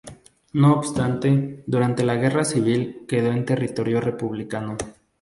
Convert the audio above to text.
No obstante, durante la Guerra Civil, quedó en territorio republicano.